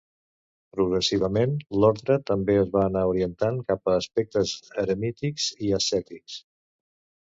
Progressivament, l'ordre també es va anar orientant cap a aspectes eremítics i ascètics.